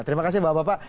terima kasih bapak bapak